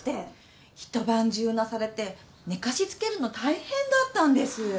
一晩中うなされて寝かしつけるの大変だったんです。